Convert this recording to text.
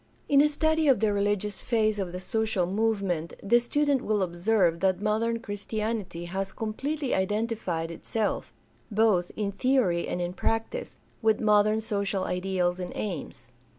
In a study of the religious phase of the social movement the student will observe that modern Christianity has com pletely identified itself, both in theory and in practice, with modern social ideals and aims.